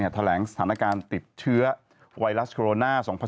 แถลงสถานการณ์ติดเชื้อไวรัสโรนา๒๐๑๖